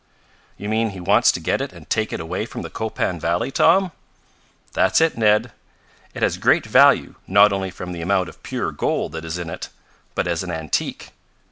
"You mean he wants to get it and take it away from the Copan valley, Tom?" "That's it, Ned. It has great value not only from the amount of pure gold that is in it, but as an antique.